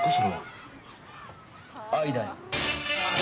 愛だよ。